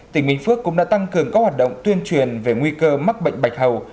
tỉnh bình phước cũng đã tăng cường các hoạt động tuyên truyền về nguy cơ mắc bệnh bạch hầu